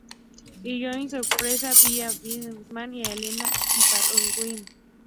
Y, ¡oh sorpresa!, vi a Abimael Guzmán y a Elena Iparraguirre.